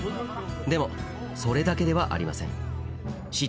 でも、それだけではありません。